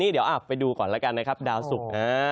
เดี๋ยวไปดูก่อนนะครับดาวสุก